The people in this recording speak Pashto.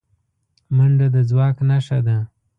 منډه د ځواک نښه ده